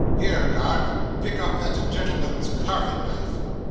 Here, guard, pick up that gentleman's carving knife."